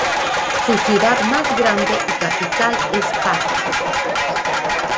Su ciudad más grande y capital es Pafos.